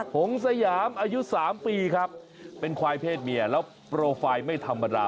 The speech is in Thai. หงสยามอายุ๓ปีครับเป็นควายเพศเมียแล้วโปรไฟล์ไม่ธรรมดา